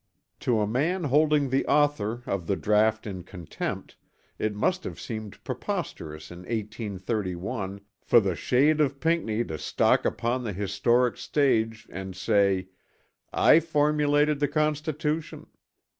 To a man holding the author of the draught in contempt, it must have seemed preposterous in 1831 for the shade of Pinckney to stalk upon the historic stage and say, I formulated the Constitution.